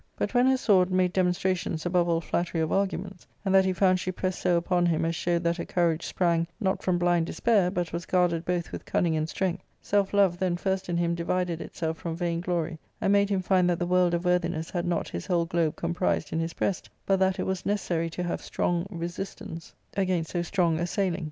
But when her sword made demon strations above all flattery of arguments, and that he found she pressed so upon him as showed that her courage sprang not from blind despair, but was guarded both with cunning and strength, self love then first in him divided itself from vainglory, and made him find that the world of worthiness had not his whole globe comprised in his breast, but that it was necessary to have strong resistance against so strong ARCADIA.— Book IJL . 373 assailing.